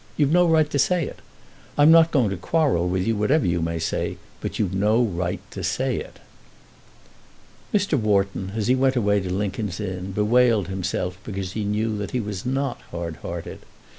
You've no right to say it. I'm not going to quarrel with you whatever you may say, but you've no right to say it." Mr. Wharton, as he went away to Lincoln's Inn, bewailed himself because he knew that he was not hard hearted.